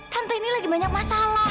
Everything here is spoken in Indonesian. tante ini lagi banyak masalah